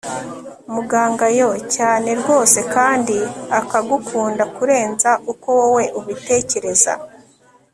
Muganga yoooo cyane rwose kandi akagukunda kurenza uko wowe ubitekereza